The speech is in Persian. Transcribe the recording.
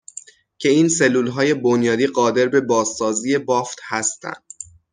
که این سلولهای بنیادی قادر به بازسازی بافت هستن